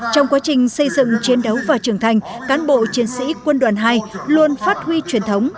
trong quá trình xây dựng chiến đấu và trưởng thành cán bộ chiến sĩ quân đoàn hai luôn phát huy truyền thống